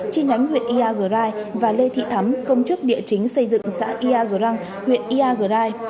chi nhánh huyện iagrai và lê thị thắm công chức địa chính xây dựng xã iagrang huyện iagrai